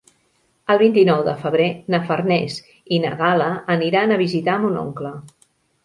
El vint-i-nou de febrer na Farners i na Gal·la aniran a visitar mon oncle.